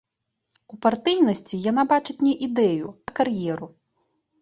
У партыйнасці яна бачыць не ідэю, а кар'еру.